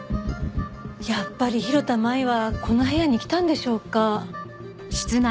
やっぱり広田舞はこの部屋に来たんでしょうか？